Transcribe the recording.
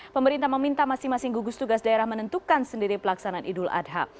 pemerintah meminta masing masing gugus tugas daerah menentukan sendiri pelaksanaan idul adha